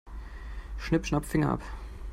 Schnipp-schnapp, Finger ab.